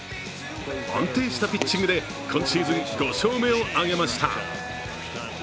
安定したピッチングで今シーズン５勝目を挙げました。